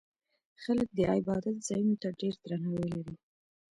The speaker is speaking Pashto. خلک د عبادت ځایونو ته ډېر درناوی لري.